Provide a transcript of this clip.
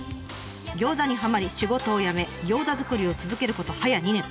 餃子にはまり仕事を辞め餃子作りを続けること早２年。